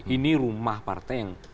ini rumah partai yang